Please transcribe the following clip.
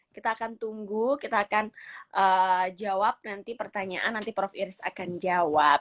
kita akan tunggu kita akan jawab nanti pertanyaan nanti prof iris akan jawab